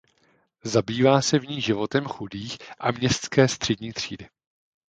Zabývá se v ní životem chudých a městské střední třídy.